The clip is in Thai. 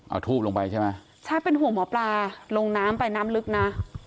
เอาทูบลงไปใช่ไหมใช่เป็นห่วงหมอปลาลงน้ำไปน้ำลึกนะ